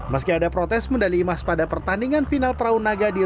meski ada protes medali imas pada pertandingan final praunaga di race lima ratus meter